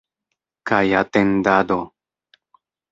Kaj atendado.